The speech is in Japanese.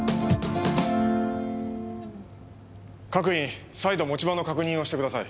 各員再度持ち場の確認をしてください。